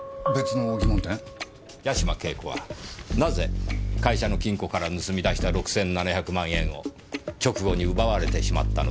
八島景子はなぜ会社の金庫から盗み出した６７００万円を直後に奪われてしまったのでしょう。